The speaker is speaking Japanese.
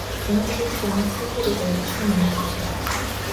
この味つけ、甘すぎるけどくせになる味だ